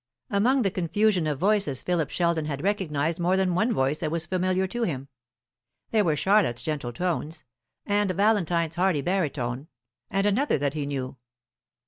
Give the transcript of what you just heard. Among the confusion of voices Philip Sheldon had recognized more than one voice that was familiar to him. There were Charlotte's gentle tones, and Valentine's hearty barytone, and another that he knew.